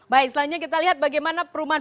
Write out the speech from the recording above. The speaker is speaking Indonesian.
baik selanjutnya kita lihat bagaimana perumahan